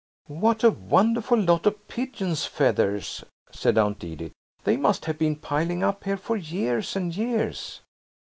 "What a wonderful lot of pigeons' feathers!" said Aunt Edith; "they must have been piling up here for years and years."